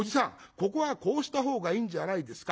ここはこうしたほうがいいんじゃないですか。